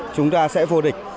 chúng ta sẽ vô địch